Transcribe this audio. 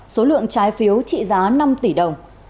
số lượng trái phiếu trị giá năm tỷ đồng